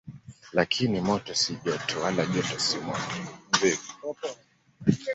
Lakini moto si joto, wala joto si moto.